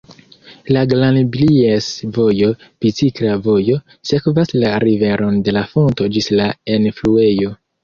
La Glan-Blies-vojo, bicikla vojo, sekvas la riveron de la fonto ĝis la enfluejo.